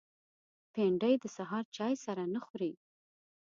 بېنډۍ د سهار چای سره نه خوري